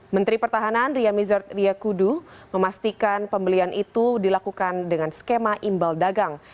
menteri pertahanan ria mizard riakudu memastikan pembelian itu dilakukan dengan skema imbal dagang